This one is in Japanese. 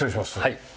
はい。